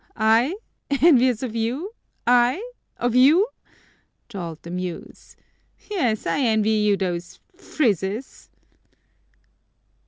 "I, envious of you, I, of you?" drawled the Muse. "Yes, I envy you those frizzes!"